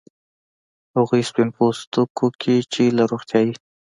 هغو سپین پوستکو کې چې له روغتیايي